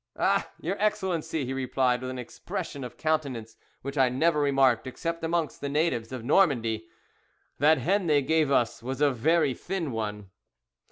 "Ah! your Excellency," he replied, with an expression of countenance which I never remarked except amongst the natives of Normandy, "that hen they gave us was a very thin one."